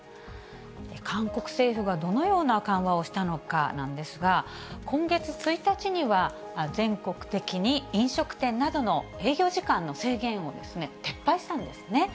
韓国政府がどのような緩和をしたのかなんですが、今月１日には、全国的に飲食店などの営業時間の制限を撤廃したんですね。